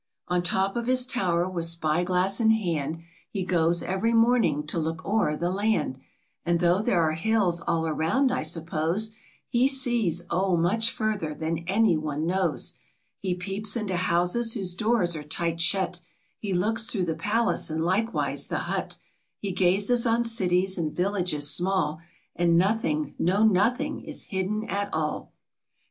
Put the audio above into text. On top of his tower with spy glass in hand, He goes every morning to look o'er the land, And though there are hills all around, I suppose, H e sees, oh, much further than any one knows He peeps into houses whose doors are tight shut; He looks through the palace, and likewise the hut; He gazes on cities, and villages small, And nothing, no, nothing is hidden at all. He.